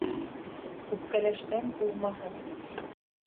Үпкәләштән булмаһын.